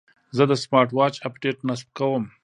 زه د سمارټ واچ اپډیټ نصب کوم.